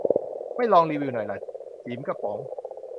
ไม่ลองรีวิวหน่อยล่ะ จิ๋มกระป๋อง